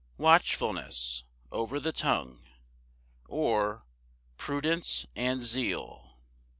Watchfulness over the tongue; or, Prudence and zeal.